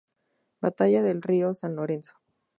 Batalla del Río San Lorenzo